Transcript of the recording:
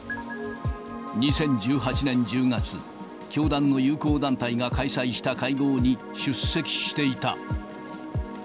２０１８年１０月、教団の友好団体が開催した会合に出席していた。